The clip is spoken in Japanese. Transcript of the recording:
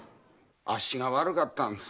あっしが悪かったんです。